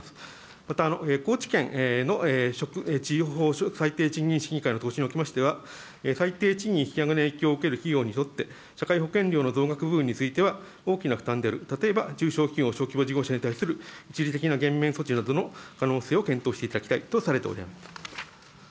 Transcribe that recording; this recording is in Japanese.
また、高知県の地方最低低賃金審議会の答申におきましては、最低賃金引き上げの影響を受ける企業にとって、社会保険料の増額分については、大きな負担である、例えば中小企業・小規模事業者における一時的な減免措置などの可能性を検討していただきたいとされております。